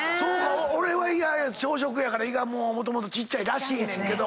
俺は小食やから胃がもともとちっちゃいらしいねんけど。